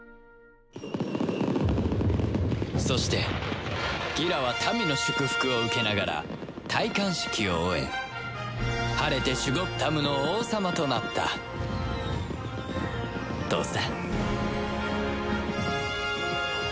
そしてギラは民の祝福を受けながら戴冠式を終え晴れてシュゴッダムの王様となったとさ